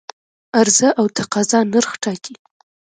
عرضه او تقاضا نرخ ټاکي.